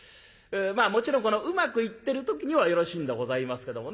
まあもちろんこのうまくいってる時にはよろしいんでございますけどもね